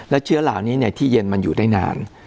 และเชื้อเหล่านี้ที่เย็นมันอยู่ได้นาน